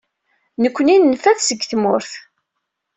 Nekkni nenfa-t seg tmurt.